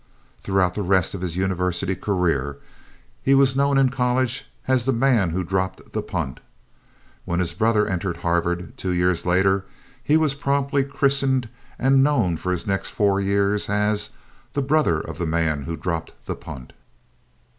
Throughout the rest of his university career he was known in college as "the man who dropped the punt." When his brother entered Harvard two years later he was promptly christened, and known for his next four years, as "the brother of the man who dropped the punt."